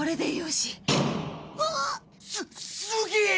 すすげえ！